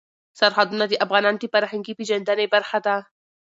سرحدونه د افغانانو د فرهنګي پیژندنې برخه ده.